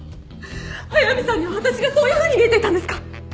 速見さんには私がそういうふうに見えていたんですか！？